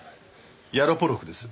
ヤロポロクです。